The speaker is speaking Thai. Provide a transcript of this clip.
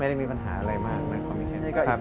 ไม่ได้มีปัญหาอะไรมาก